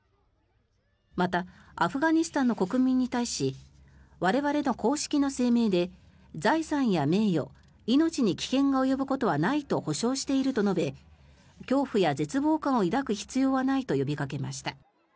またアフガニスタンの国民に対し我々の公式の声明で財産や名誉、命に危険が及ぶことはないと保証していると述べ恐怖や絶望感を抱く必要はないと呼びかけました。